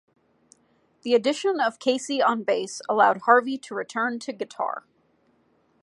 The addition of Casey on bass allowed Harvey to return to guitar.